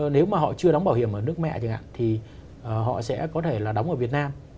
nếu mà họ chưa đóng bảo hiểm ở nước mẹ chẳng hạn thì họ sẽ có thể là đóng ở việt nam